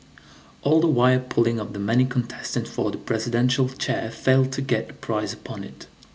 All the wire pulling of the many contestants for the presidential chair failed to get a prize upon it.